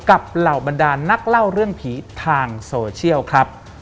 เหล่าบรรดานนักเล่าเรื่องผีทางโซเชียลครับ